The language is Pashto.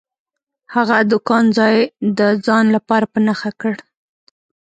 هغه د کان ځای د ځان لپاره په نښه کړ.